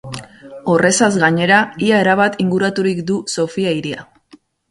Horrezaz gainera, ia erabat inguraturik du Sofia-hiria.